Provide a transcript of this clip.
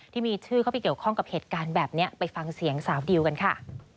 ที่มีชื่อเข้าไปเกี่ยวข้องกับเหตุการณ์แบบนี้ไปฟังเสียงสาวดิวกันค่ะ